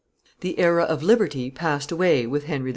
The era of liberty passed away with Henry IV.